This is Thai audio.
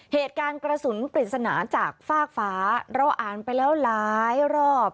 เหตุการณ์กระสุนปริศนาจากฟากฟ้าเราอ่านไปแล้วหลายรอบ